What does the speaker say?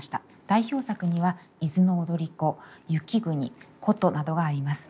代表作には「伊豆の踊子」「雪国」「古都」などがあります。